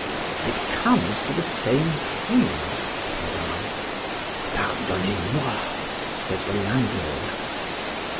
It comes to the same thing, said I. Pardonnez moi, said the landlord.